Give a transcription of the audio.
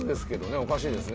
おかしいですね。